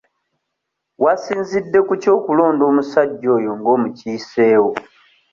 Wasinzidde ku ki okulonda omusajja oyo nga omukiisewo?